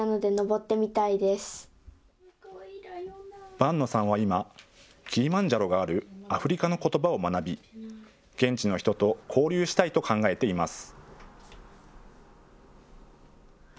伴野さんは今、キリマンジャロがあるアフリカのことばを学び現地の人と交流したいと考えています。